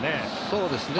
そうですね。